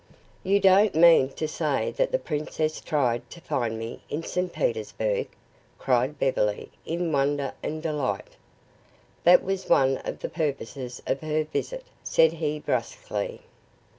"You don't mean to say that the princess tried to find me in St. Petersburg?" cried Beverly, in wonder and delight. "That was one of the purposes of her visit," said he brusquely.